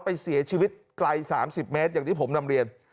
ไปเสียชีวิตไกล๓๐เมตรอย่างที่ผมนำเรียน